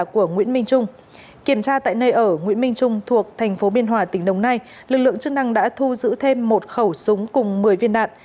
kiểm tra tại nơi ở nguyễn minh trung thuộc thành phố biên hòa tỉnh đồng nai lực lượng chức năng đã thu giữ thêm một khẩu súng cùng một mươi viên đạn